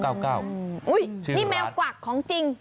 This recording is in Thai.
นี่แมวกวักของจริง